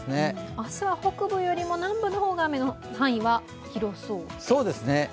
明日は北部よりも南部の方が雨の範囲が広そうです。